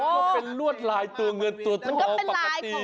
มันเป็นลวดลายตัวเงินตัวทองปกติ